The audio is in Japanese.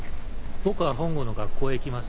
僕は本郷の学校へ行きます